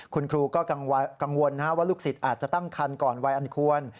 คุณครูก็กังวลว่าลูกศิษย์อาจจะตั้งคันก่อนวัยอันควร